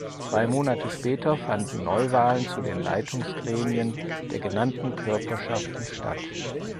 Zwei Monate später fanden Neuwahlen zu den Leitungsgremien der genannten Körperschaften statt.